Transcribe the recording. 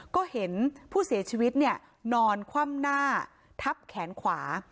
ก็เห็นผู้เสียชีวิตเนี่ยนอนคว่ำหน้าทับแขนขวา